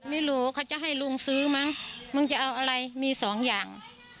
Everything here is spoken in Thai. ไม่รู้เขาจะให้ลุงซื้อมั้งมึงจะเอาอะไรมีสองอย่าง